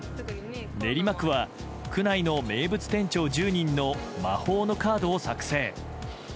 練馬区は区内の名物店長１０人の魔法のカードを作成。